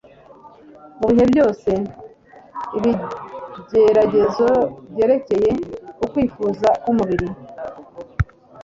Mu bihe byose, ibigeragezo byerekeye ku kwifuza kw'umubiri